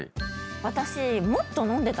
私。